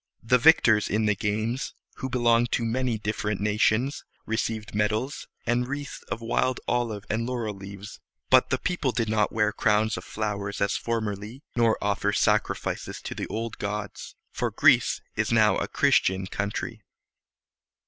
The victors in the games, who belonged to many different nations, received medals, and wreaths of wild olive and laurel leaves; but the people did not wear crowns of flowers as formerly, nor offer sacrifices to the old gods, for Greece is now a Christian country.